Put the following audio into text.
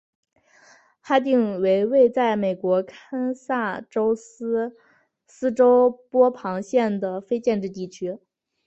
哈定为位在美国堪萨斯州波旁县的非建制地区。